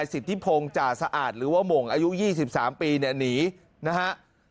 สิทธิพงศ์จ่าสะอาดหรือว่าหม่งอายุ๒๓ปีเนี่ยหนีนะฮะ